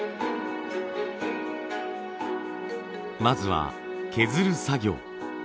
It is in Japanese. まずは削る作業。